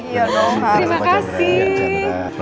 iya dong halo pak cendera ya pak cendera